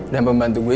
dan pembantu gue